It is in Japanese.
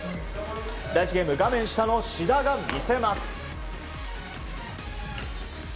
第１ゲーム、画面下の志田が見せます。